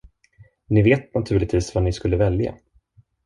Ni vet naturligtvis vad ni skulle välja?